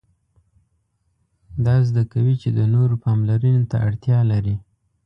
دا زده کوي چې د نورو پاملرنې ته اړتیا لري.